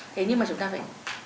thế nhưng mà chúng ta phải